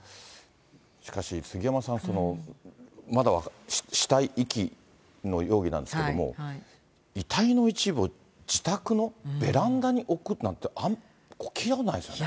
しかし、杉山さん、まだ死体遺棄の容疑なんですけれども、遺体の一部を、自宅のベランダに置くなんて聞いたことないですよね。